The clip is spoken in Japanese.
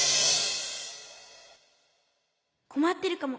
こまってるかも。